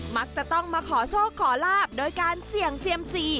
มักจะต้องมาขอโชคขอลาบโดยการเสี่ยงเซียมซี